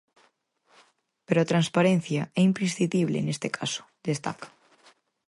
Pero a transparencia é imprescindible neste caso, destaca.